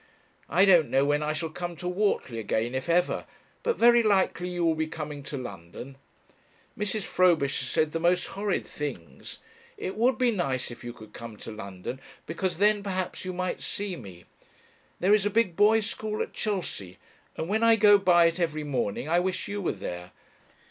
I don't know when I shall come to Whortley again, if ever, but very likely you will be coming to London. Mrs. Frobisher said the most horrid things. It would be nice If you could come to London, because then perhaps you might see me. There is a big boys' school at Chelsea, and when I go by it every morning I wish you were there.